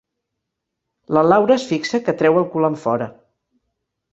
La Laura es fixa que treu el cul enfora.